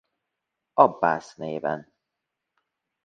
Abbász néven.